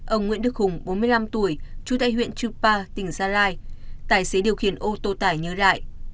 ông nguyễn đức hùng bốn mươi năm tuổi trú tại huyện chư pa tỉnh gia lai tài xế điều khiển ô tô tải nhớ lại